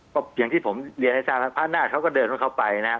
ก็อย่างที่ผมเรียนให้ทราบฮะพระอำนาจเขาก็เดินเข้าเข้าไปนะฮะ